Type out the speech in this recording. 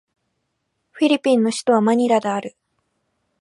フィリピンの首都はマニラである